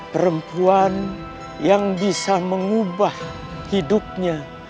perempuan yang bisa mengubah hidupnya